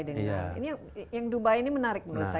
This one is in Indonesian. ini yang dubai ini menarik menurut saya